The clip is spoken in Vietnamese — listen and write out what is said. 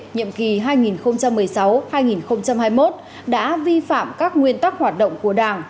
nhiệm kỳ hai nghìn một mươi sáu hai nghìn hai mươi một đã vi phạm các nguyên tắc hoạt động của đảng